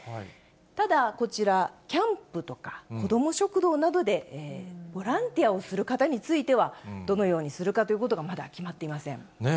ただ、こちら、キャンプとか子ども食堂などで、ボランティアをする方については、どのようにするかということがまだ決まっていません。